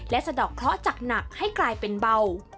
และสะดอกเคราะห์จากหนักให้กลายเป็นเบา